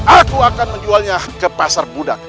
aku akan menjualnya ke pasar budak